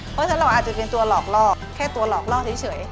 เพราะฉะนั้นเราอาจจะเป็นตัวหลอกลอกแค่ตัวหลอกล่อเฉย